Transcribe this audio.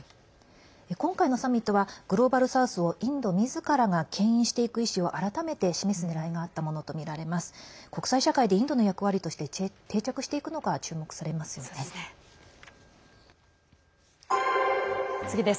今回のサミットはグローバル・サウスをインドみずからがけん引していく意思を改めて示すねらいがあったものとみられます。